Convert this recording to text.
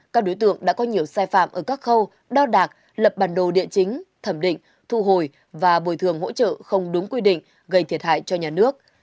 các đối tượng đã có nhiều sai phạm ở các khâu đo đạc lập bản đồ địa chính thẩm định thu hồi và bồi thường hỗ trợ không đúng quy định gây thiệt hại cho nhà nước